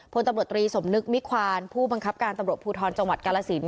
พลตำรวจตรีสมนึกมิควานผู้บังคับการตำรวจภูทรจังหวัดกาลสิน